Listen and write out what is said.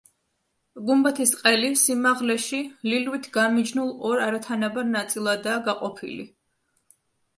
გუმბათის ყელი სიმაღლეში ლილვით გამიჯნულ ორ არათანაბარ ნაწილადაა გაყოფილი.